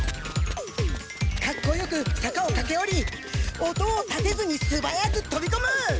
かっこよく坂をかけ下り音を立てずにすばやくとびこむ！